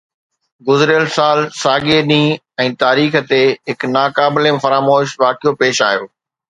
گذريل سال ساڳئي ڏينهن ۽ تاريخ تي هڪ ناقابل فراموش واقعو پيش آيو